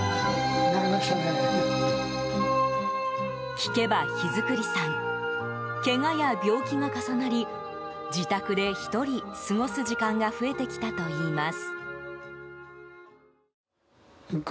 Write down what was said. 聞けば、桧作さんけがや病気が重なり自宅で１人、過ごす時間が増えてきたといいます。